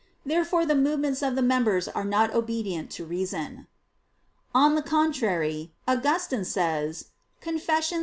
Therefore the movements of the members are not obedient to reason. On the contrary, Augustine says (Confess.